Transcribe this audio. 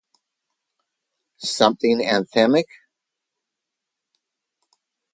Something anthemic?